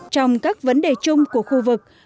trong các vấn đề chung của khu vực